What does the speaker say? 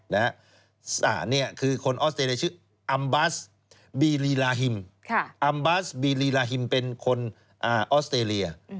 คนนี้ออสเตรียชื่ออัมบาซบีรีลาฮิมอัมบาซบีรีลาฮิมเป็นคนออสเตรีย